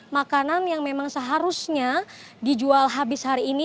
makanan yang memang seharusnya dijual habis hari ini